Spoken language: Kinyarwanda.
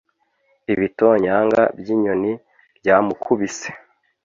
ibitonyanga byinyoni byamukubise